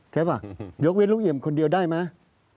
ใช่ป่ะยกเว้นลุงเอี่ยมคนเดียวได้ไหม